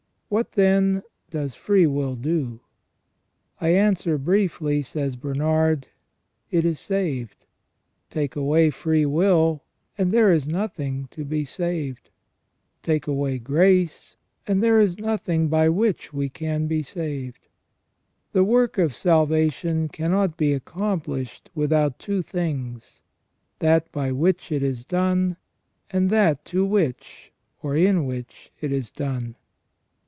What, then, does free will do ? I answer briefly, says Bernard — it is saved. Take away free will, and there is nothing to be saved. Take away grace, and there is nothing by which we can be saved. The work of salvation cannot be accomplished without two things — that by which it is done, and that to which, or in which, it is done.